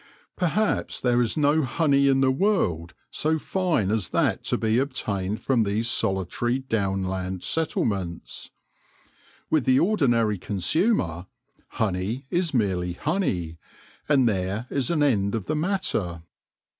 Perhaps there is no honey in the world so fine as that to be obtained from these solitary Downland settlements. With the ordinary consumer honey is merely honey, and there is an end of the matter.